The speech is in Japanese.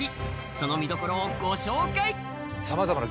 その見どころをご紹介